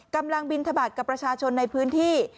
บินทบาทกับประชาชนในพื้นที่